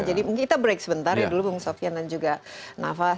jadi kita break sebentar ya dulu bung sofyan dan juga nafa